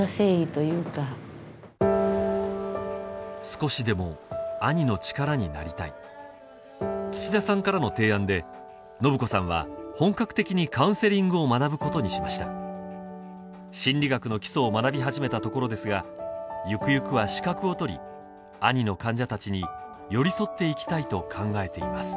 少しでも兄の力になりたい土田さんからの提案で伸子さんは本格的にカウンセリングを学ぶことにしました心理学の基礎を学び始めたところですがゆくゆくは資格を取り兄の患者たちに寄り添っていきたいと考えています